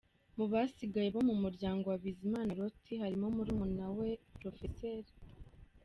Mu basigaye bo mu muryango wa Bizimana Loti harimo murumuna we Prof.